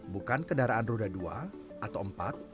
bukan kendaraan roda dua atau empat